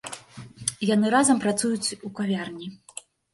Яны разам працуюць у кавярні.